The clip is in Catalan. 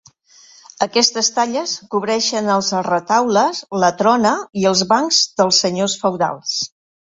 Aquestes talles cobreixen els retaules, la trona i els bancs dels senyors feudals.